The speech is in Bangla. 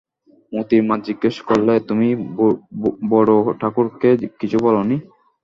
মোতির মা জিজ্ঞাসা করলে, তুমি বড়োঠাকুরকে কিছু বল নি?